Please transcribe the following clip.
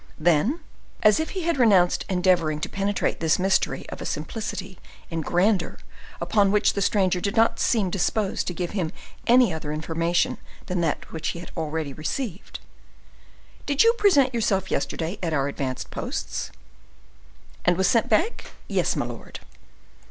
Then, as if he had renounced endeavoring to penetrate this mystery of a simplicity and grandeur upon which the stranger did not seem disposed to give him any other information than that which he had already received,—"Did you present yourself yesterday at our advanced posts?" "And was sent back? Yes, my lord."